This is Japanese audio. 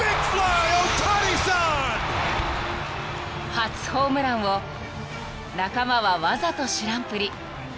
［初ホームランを仲間はわざと知らんぷり］